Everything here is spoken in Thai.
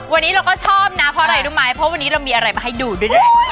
วันนี้เราก็ชอบนะพอเรียกดูไม้เพราะวันนี้เรามีอะไรมาให้ดูด้วยด้วย